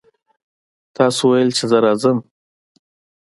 تاسې ویل چې زه راځم.